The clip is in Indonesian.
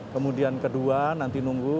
kemudian kedua nanti nunggu